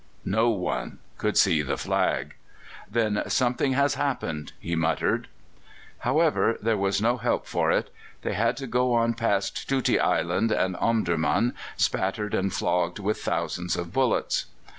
No one could see the flag. "Then something has happened!" he muttered. However, there was no help for it; they had to go on past Tuti Island and Omdurman, spattered and flogged with thousands of bullets.